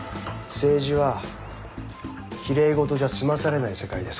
政治は奇麗事じゃ済まされない世界ですからね。